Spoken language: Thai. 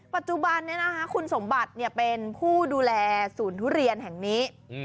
ปัจจุบันนี้นะคะคุณสมบัติเนี่ยเป็นผู้ดูแลสูรทุเรียนแห่งนี้